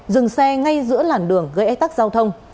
dừng xe ngay giữa làn đường gây ách tắc giao thông